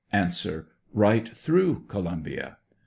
Eight through Columbia.